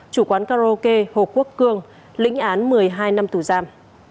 chủ quán karaoke hồ quốc cường lĩnh án một mươi hai năm tủ giam